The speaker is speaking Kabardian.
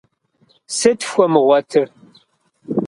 Сытыт фхуэмыгъуэтыр?